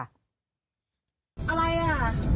อะไรอ่ะ